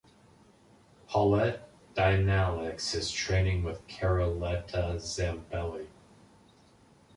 Paulette Dynalix is training with Carlotta Zambelli.